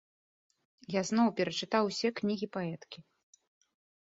Я зноў перачытаў усе кнігі паэткі.